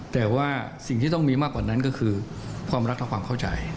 แต่ว่าสิ่งที่ต้องมีมากกว่านั้นก็คือความรักและความเข้าใจ